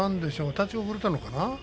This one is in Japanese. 立ち遅れたのかな？